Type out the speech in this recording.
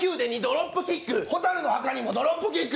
「火垂るの墓」にもドロップキック。